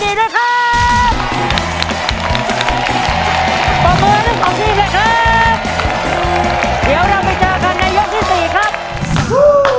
เดี๋ยวเราไปเจอกันในยุคที่๔ครับ